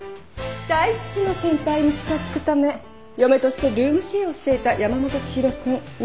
大好きな先輩に近づくため嫁としてルームシェアをしていた山本知博君２６歳は。